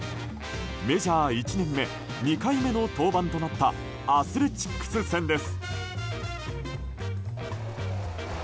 メジャー１年目２回目の登板となったアスレチックス戦です。